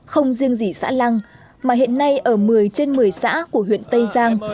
không riêng gì xã lăng mà hiện nay ở một mươi trên một mươi xã của huyện tây giang